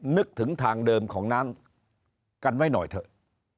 นึกถึงทางเดิมของน้ำกันไว้หน่อยเถอะ